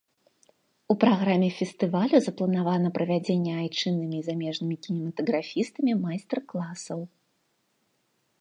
У праграме фестывалю запланавана правядзенне айчыннымі і замежнымі кінематаграфістамі майстар-класаў.